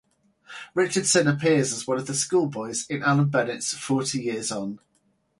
Richardson appeared as one of the schoolboys in Alan Bennett's Forty Years On.